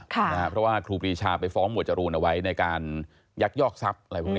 เพราะว่าครูปรีชาไปฟ้อมบวชรูนไว้ในการยักยอกทรัพย์